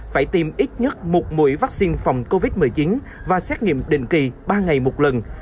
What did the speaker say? phải tiêm ít nhất một mũi vaccine phòng covid một mươi chín và xét nghiệm định kỳ ba ngày một lần